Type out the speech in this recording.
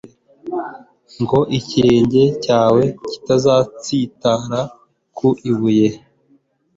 ngo ikirenge cyawe kitazatsitara ku ibuye